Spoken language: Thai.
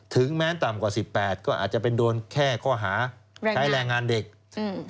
แม้ต่ำกว่าสิบแปดก็อาจจะเป็นโดนแค่ข้อหาใช้แรงงานเด็กอืม